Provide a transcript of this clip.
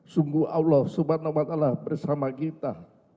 sungguh allah swt bersama kita